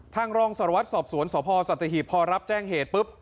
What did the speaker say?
รองสารวัตรสอบสวนสพสัตหีบพอรับแจ้งเหตุปุ๊บ